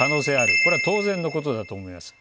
これは当然のことだと思います。